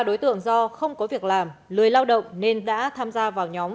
ba đối tượng do không có việc làm lười lao động nên đã tham gia vào nhóm